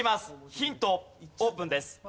ヒントオープンです。